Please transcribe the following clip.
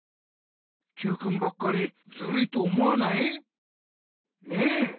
Ｑくんばっかりずるいと思わない？ねえ？